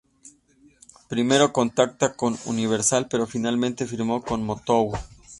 Primero contactó con Universal, pero finalmente firmó con Motown.